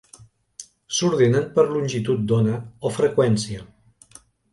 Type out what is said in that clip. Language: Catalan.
S'ordenen per longitud d'ona o freqüència.